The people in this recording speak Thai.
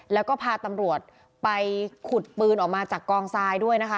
แล้วก็พาตำรวจไปขุดปืนออกมาจากกองทรายด้วยนะคะ